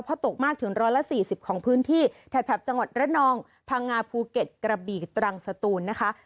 เพราะตกมากถึง๑๔๐ของพื้นที่แถบจังหวัดระนองพังงาภูเก็ตกระบีตรังสตูนนะคะ